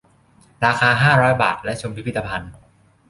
ราคา ห้าร้อย บาท และชมพิพิธภัณฑ์